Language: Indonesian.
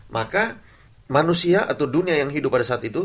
maka manusia atau dunia yang hidup pada saat itu